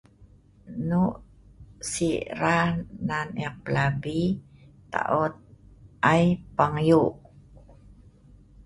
Enu’ si nan eek pelabi taot ai pang Yu’